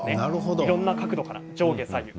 いろんな角度から上下、左右。